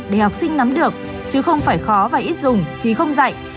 để học sinh nắm được chứ không phải khó và ít dùng thì không dạy